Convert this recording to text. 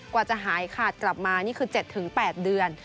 กว่าจะหายขาดกลับมานี่คือ๗๘เดือน